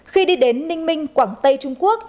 khi đi đến ninh minh quảng tây trung quốc